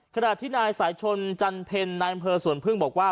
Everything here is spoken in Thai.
ขณะที่นายสายชนจันเพ็ญนายอำเภอสวนพึ่งบอกว่า